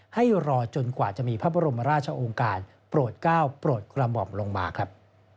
ให้รอจนกว่าจะมีพระบรมราชองค์การโปรดก้าวโปรดกระหม่อมลงมาครับ